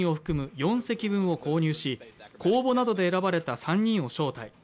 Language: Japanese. ４席分を購入し、公募などで選ばれた３人を招待。